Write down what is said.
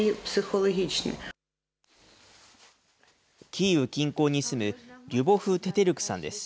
キーウ近郊に住む、リュボフ・テテルクさんです。